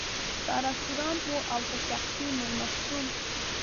دا رستورانت و او که شخصي مېلمستون.